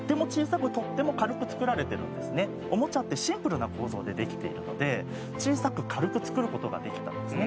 オモチャってシンプルな構造でできているので小さく軽く作ることができたんですね。